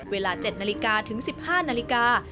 เวลา๗๑๕นาฬิกา